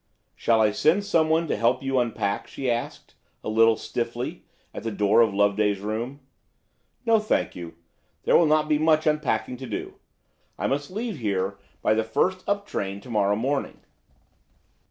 "Shall I send someone to help you unpack?" she asked, a little stiffly, at the door of Loveday's room. "No, thank you; there will not be much unpacking to do. I must leave here by the first up train to morrow morning."